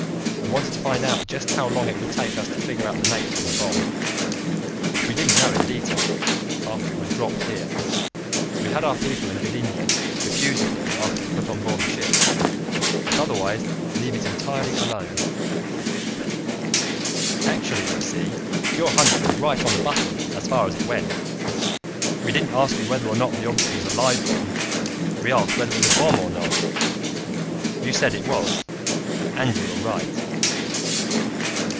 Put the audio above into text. We wanted to find out just how long it would take us to figure out the nature of the bomb which we didn't know in detail after it was dropped here. So we had our people in Gdynia defuse the thing after it was put on board the ship, but otherwise leave it entirely alone. "Actually, you see, your hunch was right on the button as far as it went. We didn't ask you whether or not that object was a live bomb. We asked whether it was a bomb or not. You said it was, and you were right."